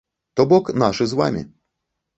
То бок, нашы з вамі.